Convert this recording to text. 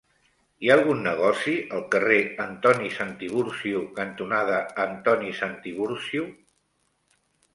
Hi ha algun negoci al carrer Antoni Santiburcio cantonada Antoni Santiburcio?